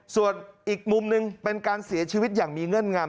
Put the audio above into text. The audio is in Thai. ส่วนอีกมุมหนึ่งเป็นการเสียชีวิตอย่างมีเงื่อนงำ